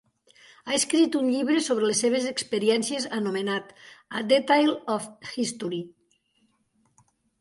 Ha escrit un llibre sobre les seves experiències anomenat "A Detail of History".